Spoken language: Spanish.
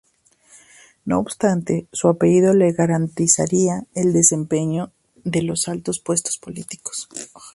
No obstante, su apellido le garantizaría el desempeño de altos puestos políticos.